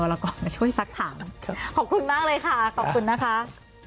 วรรคาช่วยสักถ่างครับขอบคุณมากเลยค่ะขอบคุณนะคะ